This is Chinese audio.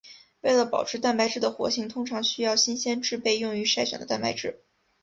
为了保证蛋白质的活性通常需要新鲜制备用于筛选的蛋白质。